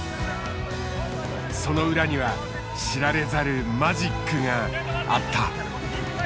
その裏には知られざる“マジック”があった。